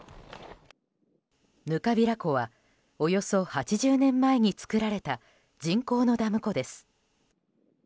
糠平湖はおよそ８０年前に作られた人工のダム湖です。